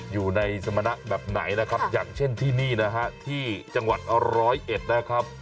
อยู่ในสมณะแบบไหนนะครับอย่างเช่นที่นี่นะฮะที่จังหวัดร้อยเอ็ดนะครับ